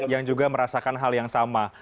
yang juga merasakan hal yang sama